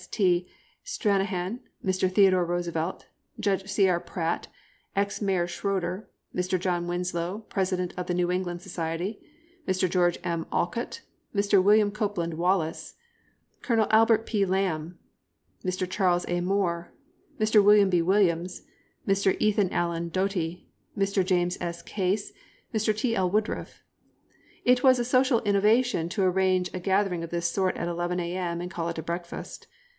S.T. Stranahan, Mr. Theodore Roosevelt, Judge C.R. Pratt, ex Mayor Schroeder, Mr. John Winslow, president of the New England Society, Mr. George M. Olcott, Mr. William Copeland Wallace, Colonel Albert P. Lamb, Mr. Charles A. Moore, Mr. William B. Williams, Mr. Ethan Allen Doty, Mr. James S. Case, Mr. T.L. Woodruff. It was a social innovation then to arrange a gathering of this sort at 11 a.m. and call it a breakfast.